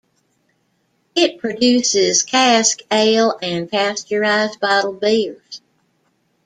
It produces cask ale and pasteurised bottled beers.